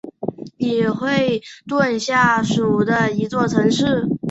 里弗顿下属的一座城市。